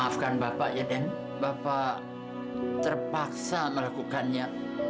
sampai jumpa di video selanjutnya